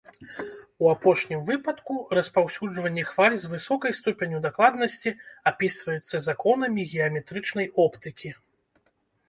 У апошнім выпадку распаўсюджванне хваль з высокай ступенню дакладнасці апісваецца законамі геаметрычнай оптыкі.